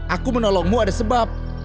aku menolongmu ada sebab